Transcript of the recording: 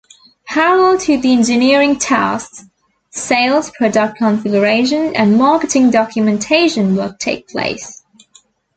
Parallel to the engineering tasks, sales product configuration and marketing documentation work take place.